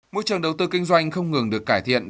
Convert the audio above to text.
môi trường đầu tư kinh doanh không ngừng được cải thiện